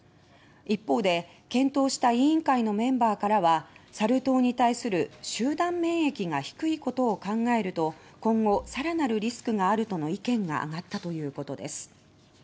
一方で、検討した委員会のメンバーからはサル痘に対する集団免疫が低いことを考えると今後、更なるリスクがあるとの意見が上がったということです。